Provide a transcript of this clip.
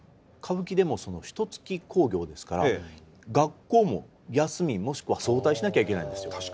歌舞伎でもひとつき興業ですから学校も休みもしくは早退しなきゃいけないんですよ。